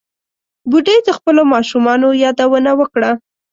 بوډۍ د خپلو ماشومانو یادونه وکړه.